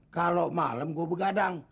kalo malem gue begadang